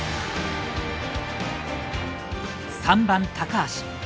３番・高橋。